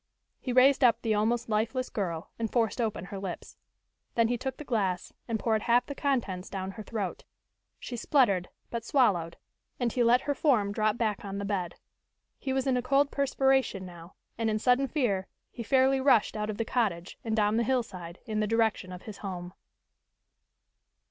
He raised up the almost lifeless girl, and forced open her lips. Then he took the glass, and poured half the contents down her throat. She spluttered, but swallowed, and he let her form drop back on the bed. He was in a cold perspiration now, and in sudden fear, he fairly rushed out of the cottage and down the hillside in the direction of his home.